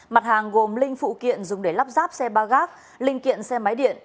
mặt hàng gồm linh phụ kiện dùng để lắp ráp xe ba gác linh kiện xe máy điện